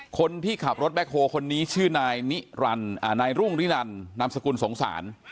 คนที่ขับรถแบ็คโฮคนนี้ชื่อนายนิรันดินายรุ่งรินันนามสกุลสงสาร